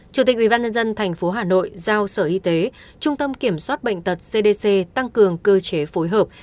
chủ tịch ubnd tp hà nội giao sở y tế trung tâm kiểm soát bệnh tật cdc tăng cường cơ chế phối hợp